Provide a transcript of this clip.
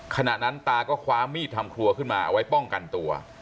ขณะนั้นตาก็คว้ามีดทำครัวขึ้นมาเอาไว้ป้องกันตัว